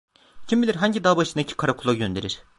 Kim bilir hangi dağ başındaki karakola gönderir.